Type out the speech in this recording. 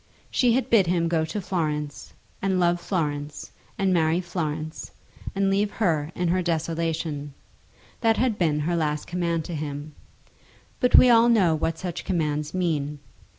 She had bid him go to Florence, and love Florence, and marry Florence, and leave her in her desolation. That had been her last command to him. But we all know what such commands mean.